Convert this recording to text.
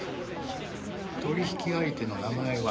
取引相手の名前は？